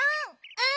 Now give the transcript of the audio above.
うん！